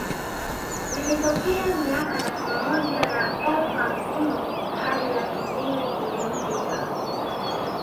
Zilitokea miaka laki moja na elfu hamsini hadi laki mbili iliyopita